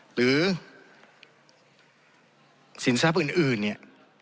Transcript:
หรือสินทรัพย์อื่นเนี่ย